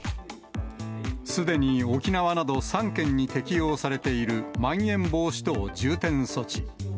すでに沖縄など３県に適用されているまん延防止等重点措置。